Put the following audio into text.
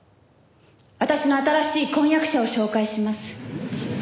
私の新しい婚約者を紹介します。